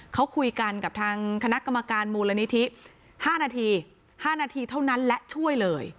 เขาคุยกันกับทางคณะกรรมการมูลนิธิ๕นาที๕นาทีเท่านั้นและช่วยเลย